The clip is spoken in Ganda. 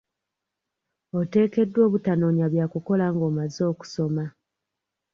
Oteekeddwa obutanoonya bya kukola nga omaze okusoma.